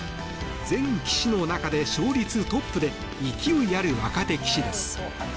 全棋士の中で勝率トップで勢いある若手棋士です。